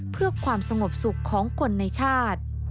เพื่อความสงบสุขของคนในชาติ